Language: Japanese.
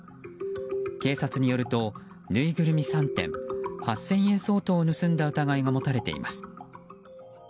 警察によると、ぬいぐるみ３点８０００円相当を盗んだ疑いが持たれています。